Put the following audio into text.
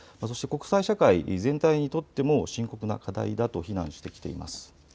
そして国際社会全体にとっても深刻な課題だと非難してきています。